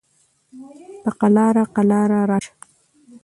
په قلاره قلاره راشه